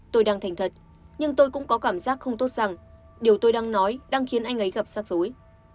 tôi đang thành thật nhưng tôi cũng có cảm giác không tốt rằng điều tôi đang nói đang khiến anh ấy gặp sắc dối